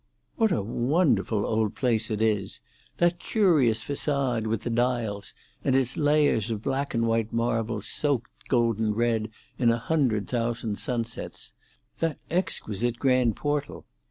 "What a wonderful old place it is! That curious façade, with the dials and its layers of black and white marble soaked golden red in a hundred thousand sunsets! That exquisite grand portal!"